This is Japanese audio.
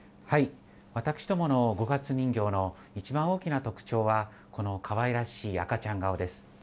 私どもの五月人形のいちばん大きな特徴は、このかわいらしい赤ちゃん顔です。